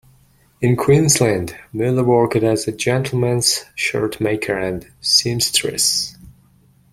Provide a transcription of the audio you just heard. In Queensland, Miller worked as a gentlemen's shirt maker and seamstress.